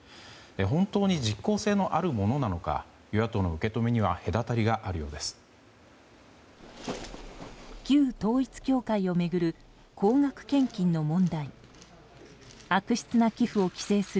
本当に実効性のあるものなのか与野党の受け止めには隔たりがあるようです。